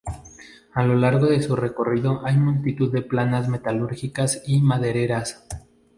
A lo largo de su recorrido hay multitud de plantas metalúrgicas y madereras.